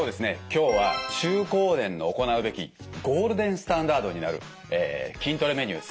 今日は中高年の行うべきゴールデンスタンダードになる筋トレメニュー